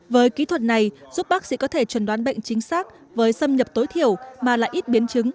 với kỹ thuật này giúp bác sĩ có thể chuẩn đoán bệnh chính xác với xâm nhập tối thiểu mà lại ít biến chứng